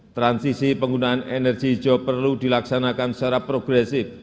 transisi penggunaan energi hijau perlu dilaksanakan secara progresif